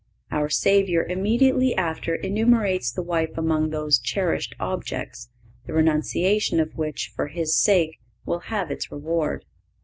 Our Savior immediately after enumerates the wife among those cherished objects, the renunciation of which, for His sake, will have its reward.